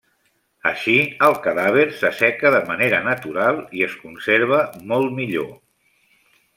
Així, el cadàver s'asseca de manera natural i es conserva molt millor.